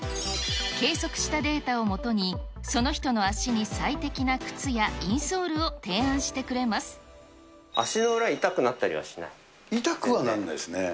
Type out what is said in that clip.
計測したデータをもとにその人の足に最適な靴やインソールを提案足の裏、痛くなったりはしな痛くはならないですね。